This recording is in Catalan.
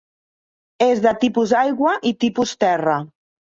És de tipus aigua i tipus terra.